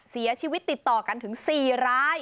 เสียชีวิตติดต่อกันถึง๔ราย